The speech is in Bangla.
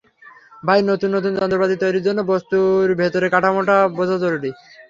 তাই নতুন নতুন যন্ত্রপাতি তৈরির জন্য বস্তুর ভেতরের কাঠামোটা বোঝা জরুরি।